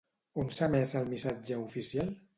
On s'ha emès el missatge oficial?